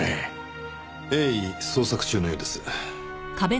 鋭意捜索中のようです。